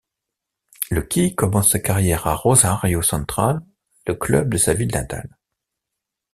Lequi commence sa carrière à Rosario Central, le club de sa ville natale.